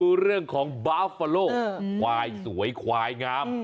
ดูเรื่องของบาฟฟาโลควายสวยควายงาม